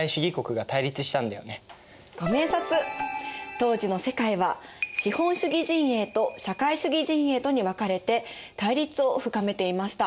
当時の世界は資本主義陣営と社会主義陣営とに分かれて対立を深めていました。